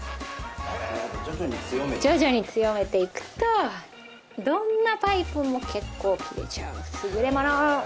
徐々に強めていくとどんなパイプも結構切れちゃう優れ物！